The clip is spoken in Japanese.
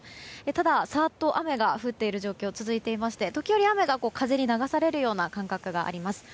ただ、サーっと雨が降っている状況は続いていまして時折、雨が風に流されるような感覚があります。